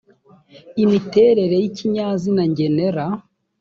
imiterere y ikinyazina ngenera